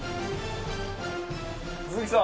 鈴木さん。